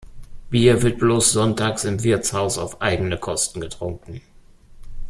Bier wird bloß sonntags im Wirtshaus auf eigene Kosten getrunken.